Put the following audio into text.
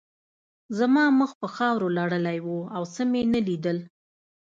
زما مخ په خاورو لړلی و او څه مې نه لیدل